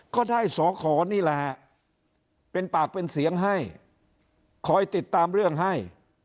ก็ได้สอขอนี่แหละฮะเป็นปากเป็นเสียงให้คอยติดตามเรื่องให้